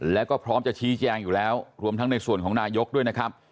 แล้วก็พร้อมจะชี้แจงอยู่แล้วรวมทั้งในส่วนของนายกด้วยนะครับ